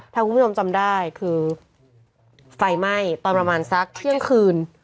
ถ้าคุณผู้ชมจำได้คือไฟไหม้ตอนประมาณสักเที่ยงคืน